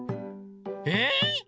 えっ！